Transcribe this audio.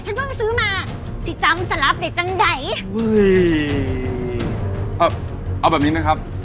เพิ่งซื้อมาสิจำสลับได้จังใดเฮ้ยเอาเอาแบบนี้นะครับ